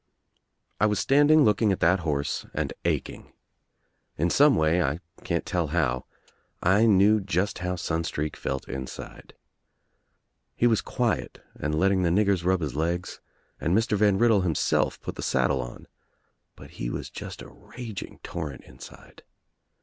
I was standing looking at that horse and aching. In some way, I can't tell how, I knew just how Sun streak felt inside. He was quiet and letting the niggers rub his legs and Mr. Van Riddle himself put the saddle on, but he was just a raging torrent inside.